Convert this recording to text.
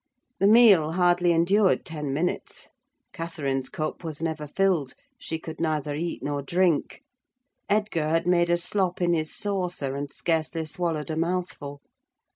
The meal hardly endured ten minutes. Catherine's cup was never filled: she could neither eat nor drink. Edgar had made a slop in his saucer, and scarcely swallowed a mouthful.